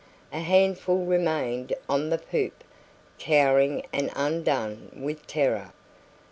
A handful remained on the poop, cowering and undone with terror.